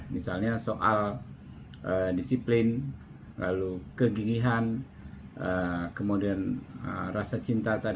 misalnya soal disiplin kegigihan rasa cinta